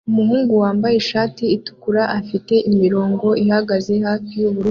Umuhungu wambaye ishati itukura ifite imirongo ihagaze hafi yubururu